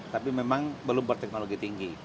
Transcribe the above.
tapi memang belum berteknologi tinggi